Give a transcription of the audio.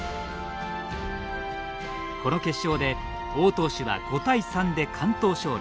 この決勝で王投手は５対３で完投勝利。